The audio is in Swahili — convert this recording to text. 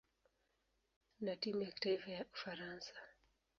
na timu ya kitaifa ya Ufaransa.